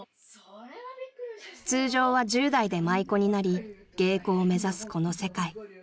［通常は１０代で舞妓になり芸妓を目指すこの世界］